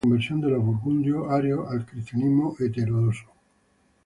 Se le atribuye la conversión de los burgundios arios al cristianismo ortodoxo.